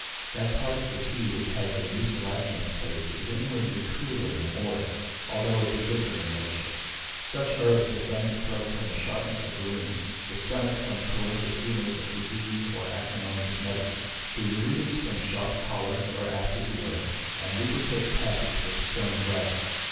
That part of the tea which has a mucilaginous taste is inwardly cooler than oil, although it be different in nature. Such herbs defend the throat from the sharpness of rheums, the stomach from corrosive humours of disease or acrimonious medicines; the ureters from sharp, choleric, or acid urine, and lubricate the passage for the stony gravel.